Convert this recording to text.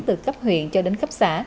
từ cấp huyện cho đến cấp xã